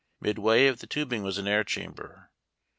Midway of the tubing was an air chamber.